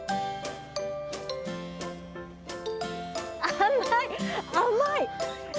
甘い、甘い！